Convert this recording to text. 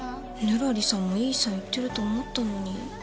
ぬらりさんもいい線いってると思ったのに。